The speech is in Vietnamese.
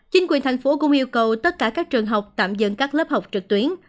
chính quyền thành phố cũng yêu cầu tất cả các trường học tạm dừng các lớp học trực tuyến